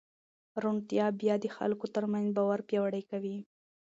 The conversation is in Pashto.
روڼتیا بیا د خلکو ترمنځ باور پیاوړی کوي.